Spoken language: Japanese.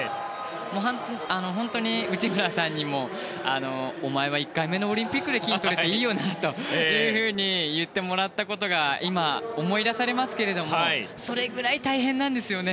本当に内村さんにもお前は１回目のオリンピックで金をとれていいよなというふうに言ってもらったことが今、思い出されますけどそれぐらい大変なんですよね。